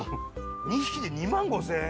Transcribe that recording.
２匹で２万５０００円？